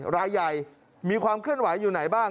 รายใหญ่มีความเคลื่อนไหวอยู่ไหนบ้าง